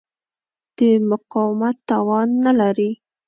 د مقاومت توان نه لري.